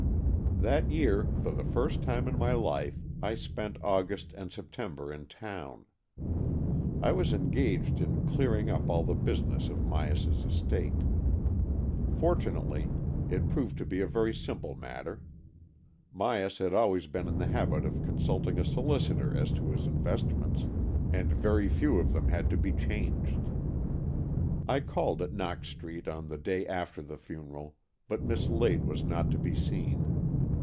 That year, for the first time in my life, I spent August and September in town. I was engaged in clearing up all the business of Myas's estate. Fortunately, it proved to be a very simple matter ; Myas had always been in the habit of consulting a solicitor as to his investments, and very few of them had to be changed. I called at Knox Street on the day after the funeral, but Miss Lade was not to be seen.